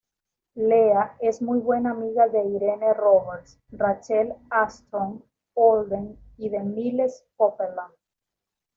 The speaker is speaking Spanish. Leah es muy buena amiga de Irene Roberts, Rachel Armstrong-Holden y de Miles Copeland.